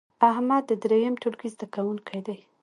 احمد د دریم ټولګې زده کوونکی دی.